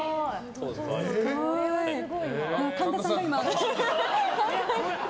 神田さんが今。